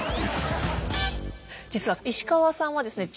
実は石河さんはですね